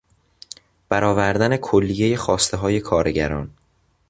برآوردن کلیهی خواستههای کارگران